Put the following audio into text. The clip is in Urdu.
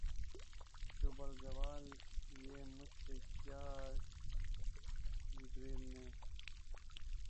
صبح ازل یہ مجھ سے کہا جبرئیل نے